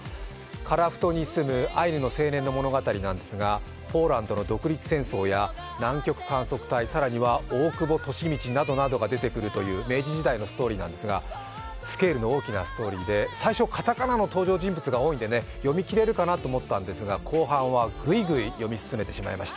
樺太に住むアイヌの青年の物語なんですが、ポーランドの独立戦争や南極観測隊、さらには大久保利通などが出てくるという明治時代のストーリーなんですがスケールの大きなストーリーで最初、かたかなの登場人物が多いので、読みきれるかなと思ったんですが、後半はぐいぐい読み進めてしまいました。